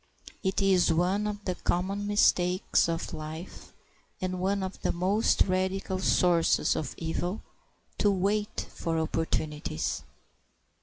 It is one of the common mistakes of life, and one of the most radical sources of evil, to wait for opportunities.